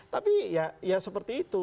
tapi ya seperti itu